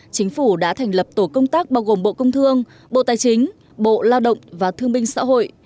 chính phủ đã thành lập tổ công tác bao gồm bộ công thương bộ tài chính bộ lao động và thương binh xã hội